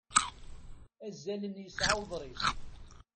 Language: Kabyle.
Azalen yesɛa uḍris.